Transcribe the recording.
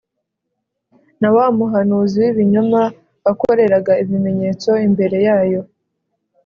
na wa muhanuzi w’ibinyoma wakoreraga ibimenyetso imbere yayo,